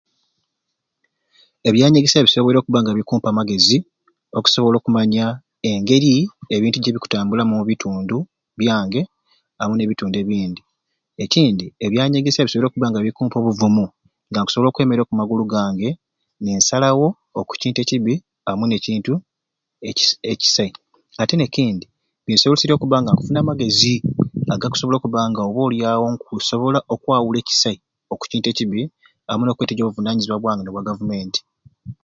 Ebyanyegesya bisoboire okubba nga bikumpa amagezi okusobola okumanya engeri ebintu jebik'utambulamu omu bitundu byange amwei ne bitundu ebindi. Ekindi ebyanyegesya bisoboire okubanga bikumpa obuvumu nga nkusobola okwemeera oku magulu gange ninsalawo oku kintu ekibbi amwei nekintu eki ekisai ate nekindi binsoboleserye okuba nga nkufuna amagezi agakusobola okubanga oba oli awo nkusobola okwawula ekusai oku kintu ekibi amwei nokweteeja obuvunanyizibwa bwange n'obwa gavumenti.